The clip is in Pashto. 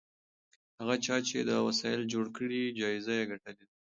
هغه چا چې دا وسایل جوړ کړي جایزه یې ګټلې ده.